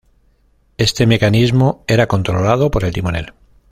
Este mecanismo era controlado por el timonel.